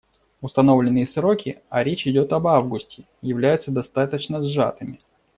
Установленные сроки, а речь идет об августе, являются достаточно сжатыми.